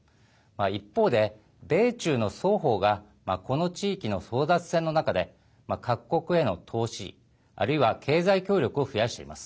一方で、米中の双方がこの地域の争奪戦の中で各国への投資、あるいは経済協力を増やしています。